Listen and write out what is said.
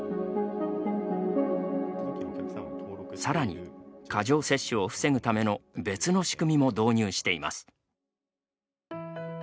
さらに、過剰摂取を防ぐための別の仕組みも導入しています。